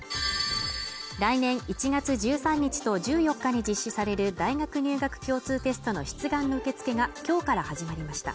来年１月１３日と１４日に実施される大学入学共通テストの出願の受付がきょうから始まりました